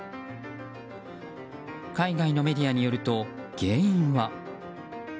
海外のメディアによると原因は。